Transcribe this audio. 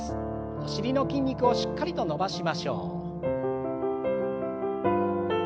お尻の筋肉をしっかりと伸ばしましょう。